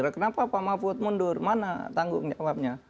kenapa pak mahfud mundur mana tanggung jawabnya